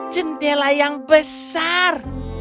jendela yang besar